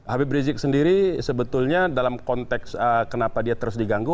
habib rizik sendiri sebetulnya dalam konteks kenapa dia terus diganggu